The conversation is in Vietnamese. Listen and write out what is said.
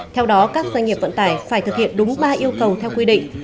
theo đó các doanh nghiệp vận tải phải thực hiện đúng ba yêu cầu theo quy định